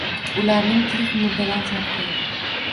Ularning tirik murdadan farqi yo‘q.